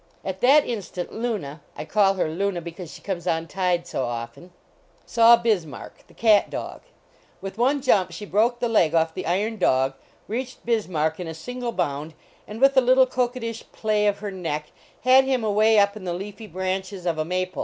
At that instant Luna I call her Luna because she comes on tied so often saw Bismarck, the cat dog. With one jump she broke the leg off the iron dog, reached Bismarck in a single bound, and with a little coquettish play of her neck had him away up in the leafy branches of a maple 252 "/ never untr my roir in *m h